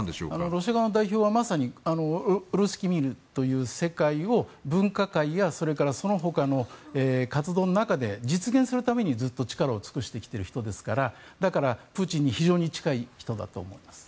ロシア側の代表はまさにルースキー・ミールという世界を文化界やそれからそのほかの活動の中で実現するためにずっと力を尽くしてきている人ですからだから、プーチンに非常に近い人だと思います。